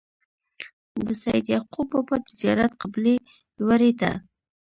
د سيد يعقوب بابا د زيارت قبلې لوري ته